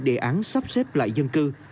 đề án sắp xếp lại dân cư